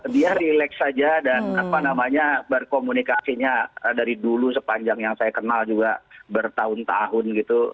dia relax saja dan apa namanya berkomunikasinya dari dulu sepanjang yang saya kenal juga bertahun tahun gitu